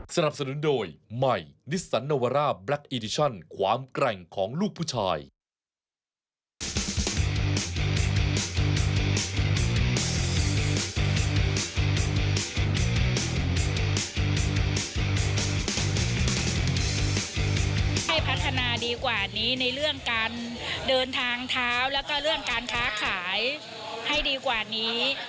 ให้พัฒนาดีกว่านี้ในเรื่องการเดินทางเท้าแล้วก็เรื่องการค้าขายให้ดีกว่านี้